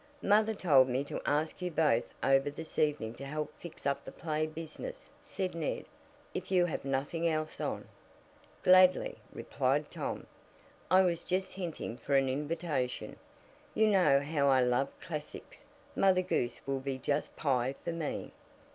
"Mother told me to ask you both over this evening to help fix up the play business," said Ned, "if you have nothing else on." "Gladly," replied Tom. "I was just hinting for an invitation. You know how I love classics Mother Goose will be just pie for me."